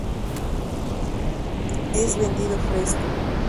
Es vendido fresco.